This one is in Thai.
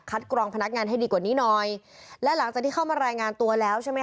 กรองพนักงานให้ดีกว่านี้หน่อยและหลังจากที่เข้ามารายงานตัวแล้วใช่ไหมค